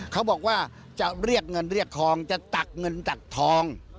เขาบอกว่าจะเรียกเงินเรียกทองจะตักเงินตักทอง